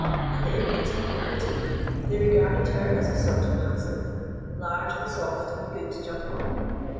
And the infants had no pity. They regarded her as a sort of hassock, large and soft and good to jump on.